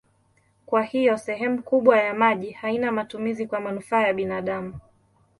Kwa hiyo sehemu kubwa ya maji haina matumizi kwa manufaa ya binadamu.